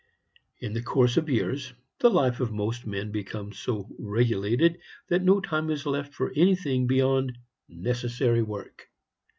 In the course of years, the life of most men becomes so regulated that no time is left for anything beyond "necessary work."